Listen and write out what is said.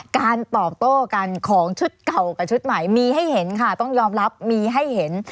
การตอบโต้กันของชุดเก่ากับชุดใหม่มีให้เห็นค่ะต้องยอมรับมีให้เห็น